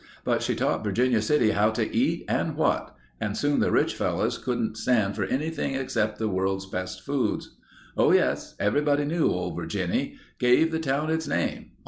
But she taught Virginia City how to eat and what, and soon the rich fellows wouldn't stand for anything except the world's best foods." "Oh yes, everybody knew Old Virginny. Gave the town its name.